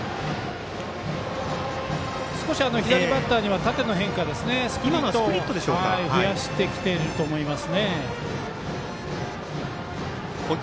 少し左バッターにはスプリットを増やしてきていると思います。